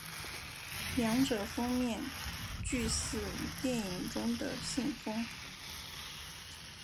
两者封面俱似电影中的信封。